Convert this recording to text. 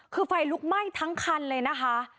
คือไฟลุกไหม้ทั้งคันเลยนะคะ